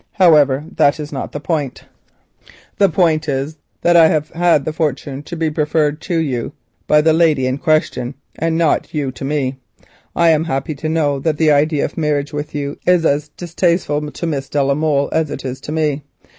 However, that is not the point; the point is that I have had the fortune to be preferred to you by the lady in question, and not you to me. I happen to know that the idea of her marriage with you is as distasteful to Miss de la Molle as it is to me.